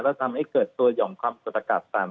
ก็ทำให้เกิดตัวหย่อมความกดอากาศต่ำ